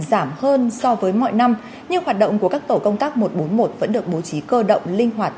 giảm hơn so với mọi năm nhưng hoạt động của các tổ công tác một trăm bốn mươi một vẫn được bố trí cơ động linh hoạt